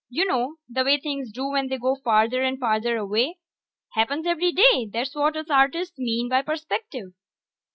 You know the way things do when they go farther and farther away. Happens every day; that's what us artists mean by perspective.